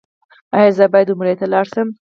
ایا زه باید عمرې ته لاړ شم؟